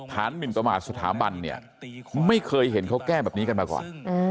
หมินประมาทสถาบันเนี่ยไม่เคยเห็นเขาแก้แบบนี้กันมาก่อน